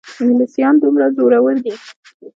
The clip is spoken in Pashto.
انګلیسیان دومره زورور دي.